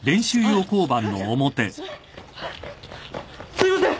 すいません！